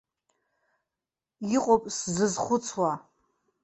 Иҟоуп сзызхәыцуа!